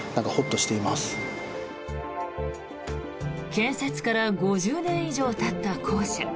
建設から５０年以上たった校舎。